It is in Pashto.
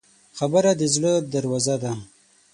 خبره د زړه دروازه ده.